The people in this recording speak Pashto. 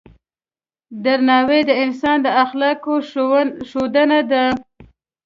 درناوی د انسان د اخلاقو ښودنه ده.